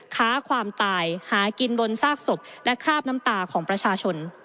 ค้าความตายหากินบนซากศพและคราบน้ำตาของประชาชน